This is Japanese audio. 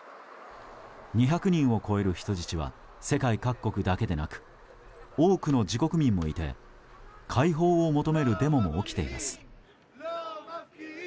２００人を超える人質は世界各国だけでなく多くの自国民もいて解放を求めるデモも起きています。